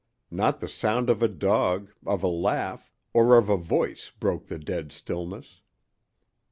Not the sound of a dog, of a laugh, or of a voice broke the dead stillness.